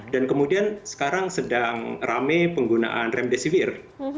dan kemudian sekarang sedang rame penggunaan remdesivir